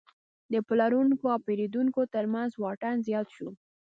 د پلورونکو او پیرودونکو ترمنځ واټن زیات شو.